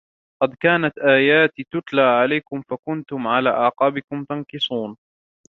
قَدْ كَانَتْ آيَاتِي تُتْلَى عَلَيْكُمْ فَكُنْتُمْ عَلَى أَعْقَابِكُمْ تَنْكِصُونَ